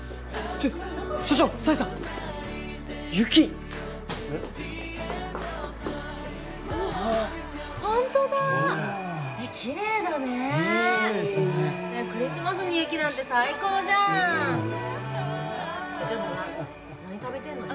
ちょっとあんた何食べてんのよ。